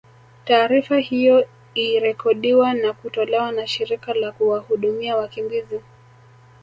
taarifa hiyo iirekodiwa na kutolewa na shirika la kuwahudumia wakimbizi